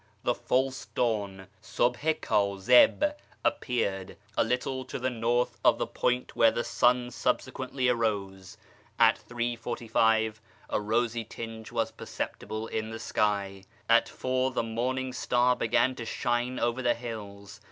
the "False Dawn" {Sitbh i Kdzih) ap peared, a little to the north of the point whence the sun subsequently arose. At 3.45 a rosy tinge was perceptible in the sky. At 4.0 the morning star began to shine over the hills.